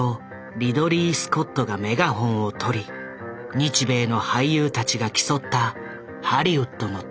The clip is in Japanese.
リドリー・スコットがメガホンを取り日米の俳優たちが競ったハリウッドの大作。